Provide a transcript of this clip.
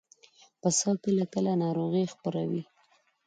پسه کله کله ناروغي خپروي.